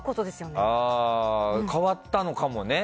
変わったのかもね。